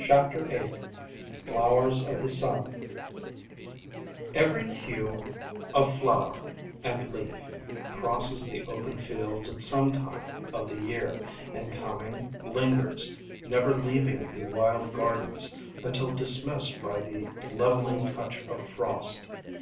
V* *\ VIII FLOWERS OF THE SUN VERY hue of flower and leaf crosses the open fields at some time of the year, and coming, lingers, never leaving the wild gardens until dis missed by the leveling touch of frost.